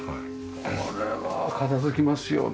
これは片付きますよね。